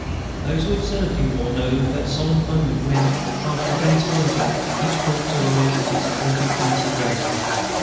Those who have served in war know that solemn moment when, after a day's fighting, each corps arrives at its appointed place of rest.